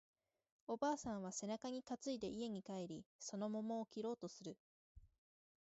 おばあさんは背中に担いで家に帰り、その桃を切ろうとする